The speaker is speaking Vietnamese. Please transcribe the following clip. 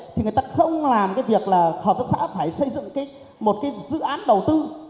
thì người ta không làm việc là hợp tác xã phải xây dựng một dự án đầu tư